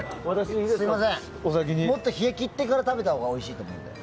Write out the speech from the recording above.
もっと冷え切ってから食べたほうがおいしいと思う。